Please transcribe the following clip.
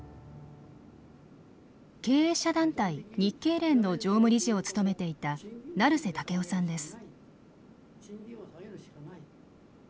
経営者団体日経連の常務理事を務めていた成瀬健生さんです。